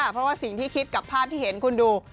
เพราะว่าสิ่งที่คิดกับภาพที่เห็นคุณดู